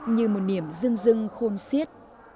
như một niềm rưng rưng khôn xiết